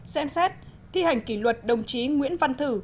xem xét thi hành kỷ luật đồng chí nguyễn văn thử